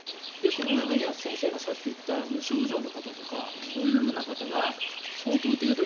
その中には先生がさっき言った無症状の方とかそういうふうな方が相当程度